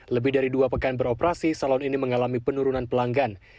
lebih dari dua pekan beroperasi salon ini mengalami penurunan pelanggan